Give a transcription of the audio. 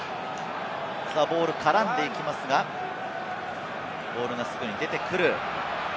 ボールに絡んでいきますが、ボールがすぐに出てくる。